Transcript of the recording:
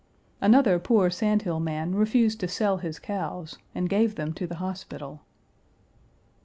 Another poor Sandhill man refused to sell his cows, and gave them to the hospital.